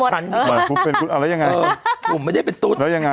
ผมไม่ได้เป็นตุ๊ด